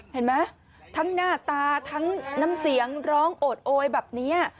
เห็นไหมทั้งหน้าตาทั้งน้ำเสียงร้องโอดโอยแบบนี้